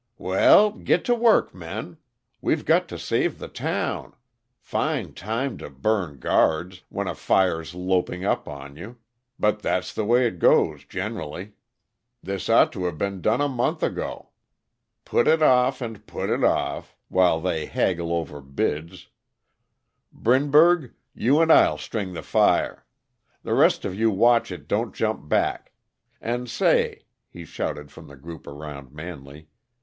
"Well get to work, men. We've got to save the town. Fine time to burn guards when a fire's loping up on you! But that's the way it goes, generally. This ought to've been done a month ago. Put it off and put it off while they haggle over bids Brinberg, you and I'll string the fire. The rest of you watch it don't jump back. And, say!" he shouted to the group around Manley.